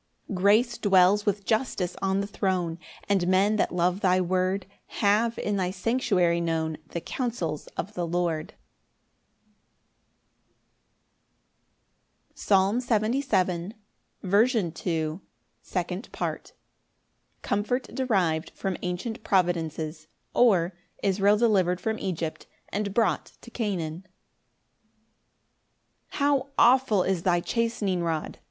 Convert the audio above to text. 10 Grace dwells with justice on the throne; And men that love thy word Have in thy sanctuary known The counsels of the Lord. Psalm 77:2. Second Part. Comfort derived from ancient providences; or, Israel delivered from Egypt, and brought to Canaan. 1 "How awful is thy chastening rod!"